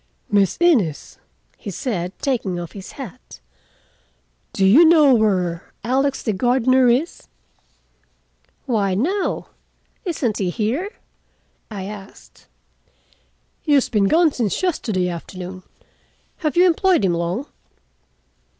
"Miss Innes," he said, taking of his hat, "do you know where Alex, the gardener, is?" "Why, no. Isn't he here?" I asked. "He has been gone since yesterday afternoon. Have you employed him long?"